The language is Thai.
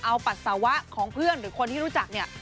เอาปัสสาวะของเพื่อนหรือคนที่รู้จักเนี่ย